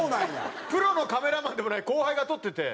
プロのカメラマンでもない後輩が撮ってて。